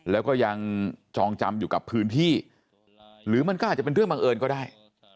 แล้วก็ยังจองจำอยู่กับพื้นที่หรือมันก็อาจจะเป็นเรื่องบังเอิญก็ได้